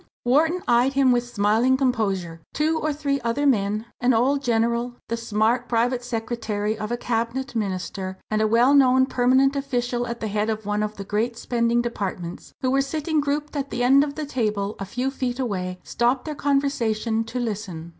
_" Wharton eyed him with smiling composure. Two or three other men an old general, the smart private secretary of a cabinet minister, and a well known permanent official at the head of one of the great spending departments who were sitting grouped at the end of the table a few feet away, stopped their conversation to listen.